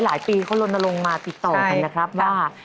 หลายปีเขาลนลงมาติดต่อกันนะครับว่า